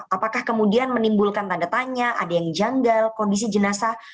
apakah kemudian menimbulkan tanda tanya ada yang janggal kondisi jenazah